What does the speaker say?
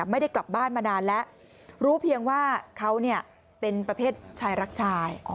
ไม่ได้กลับบ้านมานานแล้วรู้เพียงว่าเขาเป็นประเภทชายรักชาย